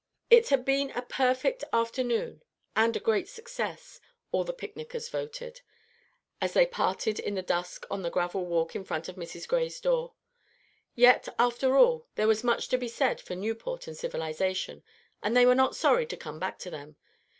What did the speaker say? It had been a perfect afternoon, and a great success, all the picnickers voted, as they parted in the dusk on the gravel walk in front of Mrs. Gray's door. Yet, after all, there was much to be said for Newport and civilization, and they were not sorry to come back to them.